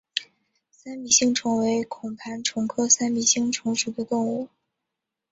三臂星虫为孔盘虫科三臂星虫属的动物。